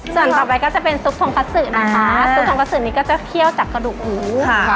ส่วนต่อไปก็จะเป็นซุปทงคัตซึนะคะซุปทงคัตซึนี่ก็จะเที่ยวจากกระดูกอู๋